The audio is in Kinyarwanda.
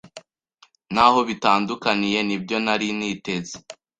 Ntaho bitandukaniye nibyo nari niteze.